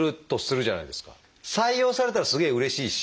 採用されたらすげえうれしいし。